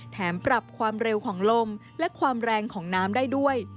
แถมปรับความเร็วของลมและความแรงของน้ำได้ด้วย